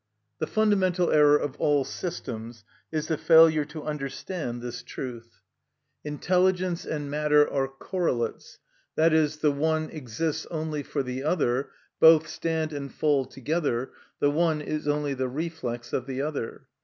The fundamental error of all systems is the failure to understand this truth. Intelligence and matter are correlates, i.e., the one exists only for the other, both stand and fall together, the one is only the reflex of the other.